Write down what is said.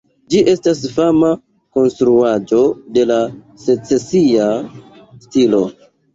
Ĝi estas fama konstruaĵo de la secesia stilo.